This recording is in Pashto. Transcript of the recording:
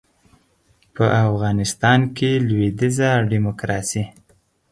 په افغانستان کې لویدیځه ډیموکراسي